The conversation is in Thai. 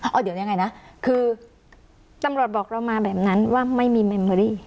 เอาเดี๋ยวยังไงนะคือตำรวจบอกเรามาแบบนั้นว่าไม่มีเมมเมอรี่